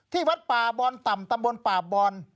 วัดป่าบอนต่ำตำบลป่าบอน